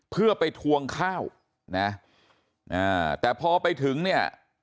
เพื่อไปทวงข้าวนะอ่าแต่พอไปถึงเนี่ย